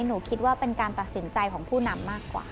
หนูคิดว่าเป็นการตัดสินใจของผู้นำมากกว่า